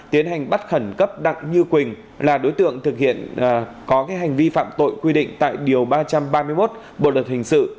tiến hành bắt khẩn cấp đặng như quỳnh là đối tượng thực hiện có hành vi phạm tội quy định tại điều ba trăm ba mươi một bộ luật hình sự